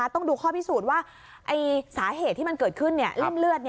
ต้องดูข้อพิสูจน์ว่าสาเหตุที่มันเกิดขึ้นริ่มเลือด